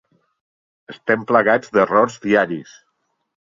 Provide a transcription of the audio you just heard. Estem plagats d'errors diaris.